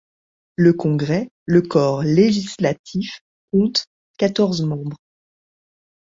Le Congrès, le corps législatif, compte quatorze membres.